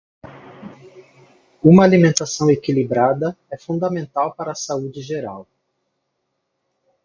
Uma alimentação equilibrada é fundamental para a saúde geral.